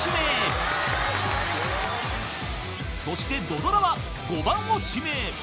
［そして土ドラは５番を指名］